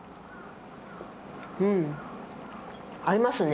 うん合いますね。